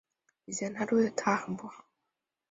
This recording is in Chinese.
以前自己对她很不好